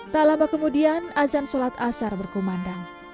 tak lama kemudian azan sholat asar berkumandang